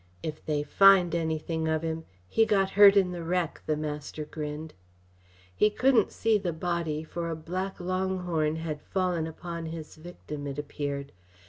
"If they find anything of him he got hurt in the wreck," the master grinned. He couldn't see the body, for a black longhorn had fallen upon his victim, it appeared.